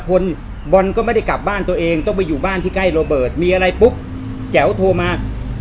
คนบอลก็ไม่ได้กลับบ้านตัวเองต้องไปอยู่บ้านที่ใกล้โรเบิร์ตมีอะไรปุ๊บแจ๋วโทรมา